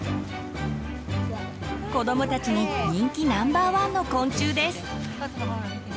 子どもたちに人気ナンバーワンの昆虫です。